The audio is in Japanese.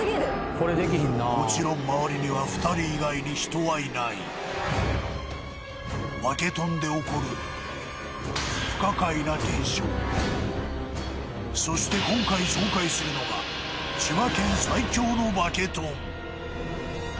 もちろんまわりには２人以外に人はいない化けトンで起こるそして今回紹介するのがそれがこちら